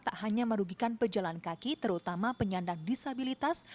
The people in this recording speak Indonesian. tak hanya merugikan pejalan kaki terutama penyandang disabilitas